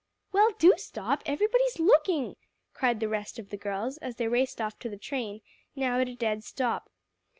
"Well, do stop; everybody's looking," cried the rest of the girls, as they raced off to the train, now at a dead stop.